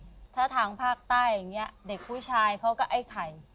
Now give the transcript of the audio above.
เรียกไอไข่ถ้าทางภาคใต้อย่างเงี้ยเด็กผู้ชายเขาก็ไอไข่